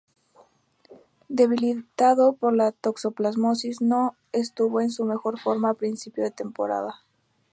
Debilitado por una toxoplasmosis no estuvo en su mejor forma a principio de temporada.